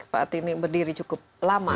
pak tini berdiri cukup lama